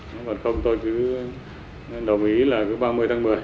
nếu mà không tôi cứ đồng ý là cứ ba mươi tháng một mươi